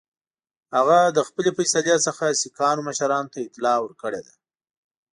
هغه د خپلي فیصلې څخه سیکهانو مشرانو ته اطلاع ورکړې ده.